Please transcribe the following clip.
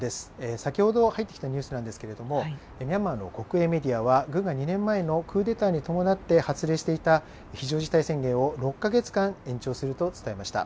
先ほど入ってきたニュースなんですけれどもミャンマーの国営メディアは軍が２年前のクーデターに伴って発令していた非常事態宣言を６か月間延長すると伝えました。